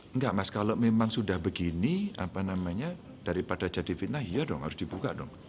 enggak mas kalau memang sudah begini apa namanya daripada jadi fitnah ya dong harus dibuka dong